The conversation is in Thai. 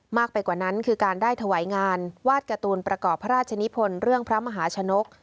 ไปกว่านั้นคือการได้ถวายงานวาดการ์ตูนประกอบพระราชนิพลเรื่องพระมหาชนก